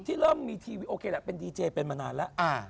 เริ่มมีทีวีโอเคแหละเป็นดีเจเป็นมานานแล้ว